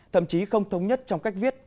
thậm chí không thống nhất trong cách viết